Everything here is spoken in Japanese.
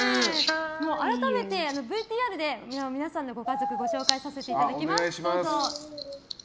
改めてＶＴＲで皆さんのご家族をご紹介させていただきます。